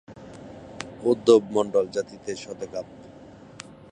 উদ্ধব মন্ডল জাতিতে সদেগাপ